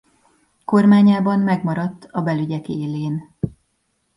Kormányában megmaradt a belügyek élén.